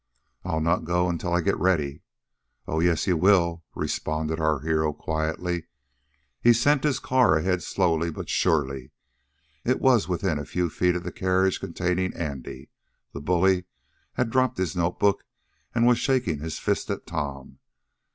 "I'll not go until I get ready." "Oh, yes you will," responded our hero quietly. He sent his car ahead slowly but surely. It was within a few feet of the carriage containing Andy. The bully had dropped his notebook, and was shaking his fist at Tom.